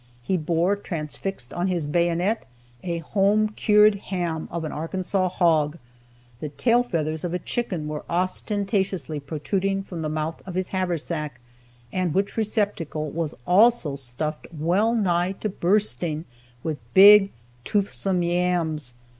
He bore, transfixed on his bayonet, a home cured ham of an Arkansas hog; the tail feathers of a chicken were ostentatiously protruding from the mouth of his haversack, and which receptacle was also stuffed well nigh to bursting with big, toothsome yams.